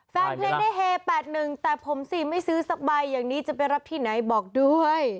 แฟนเพลงได้เฮ๘๑แต่ผมสิไม่ซื้อสักใบอย่างนี้จะไปรับที่ไหนบอกด้วย